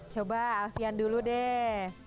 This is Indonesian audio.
coba alfian dulu deh